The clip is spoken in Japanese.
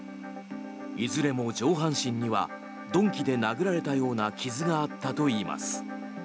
いずれも上半身には鈍器で殴られたような傷があったといいます。